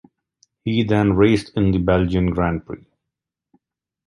He then raced in the Belgian Grand Prix.